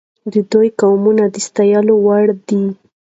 د ده ګامونه د ستایلو وړ دي.